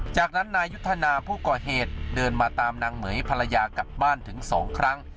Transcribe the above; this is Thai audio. จากนั้นนายยุทธนาผู้ก่อเหตุเดินมาตามนางเหม๋ยภรรยากลับบ้านถึง๒ครั้ง